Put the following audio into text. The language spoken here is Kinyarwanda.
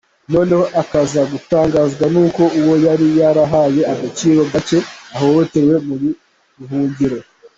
Noneho akaza gutangazwa n’uko uwo yari yarahaye agaciro gacye ahotorewe mu buhungiro.